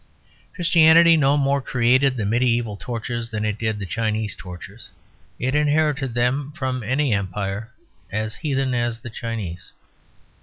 Christianity no more created the mediæval tortures than it did the Chinese tortures; it inherited them from any empire as heathen as the Chinese.